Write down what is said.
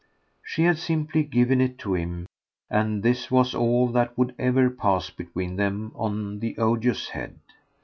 She had simply given it to him so, and this was all that would ever pass between them on the odious head.